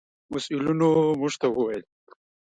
مسؤلینو موږ ته و ویل: